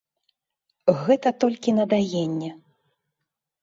Гэта толькі на даенне.